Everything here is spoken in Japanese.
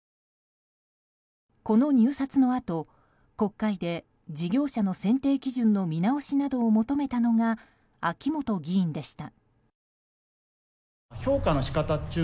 この入札のあと国会で事業者の選定基準の見直しなどを求めたのが秋本議員でした。